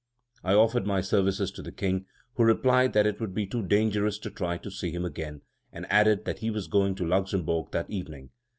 I offered my services to the King, who replied that it would be too dangerous to try to see him again, and added that he was going to the Luxembourg that evening.